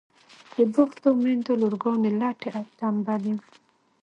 د بوختو میندو لورگانې لټې او تنبلې وي.